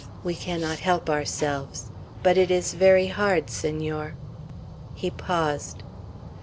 We cannot help ourselves. But it is very hard, Senor." He paused.